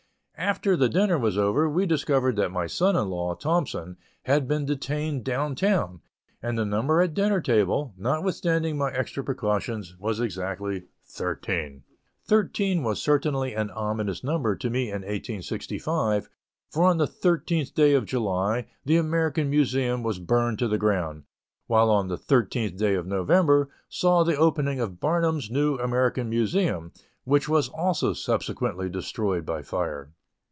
After the dinner was over, we discovered that my son in law, Thompson, had been detained down town, and the number at dinner table, notwithstanding my extra precautions, was exactly thirteen. Thirteen was certainly an ominous number to me in 1865, for on the thirteenth day of July, the American Museum was burned to the ground, while the thirteenth day of November saw the opening of "Barnum's New American Museum," which was also subsequently destroyed by fire.